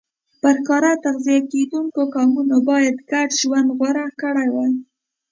پر ښکار تغذیه کېدونکو قومونو باید ګډ ژوند غوره کړی وای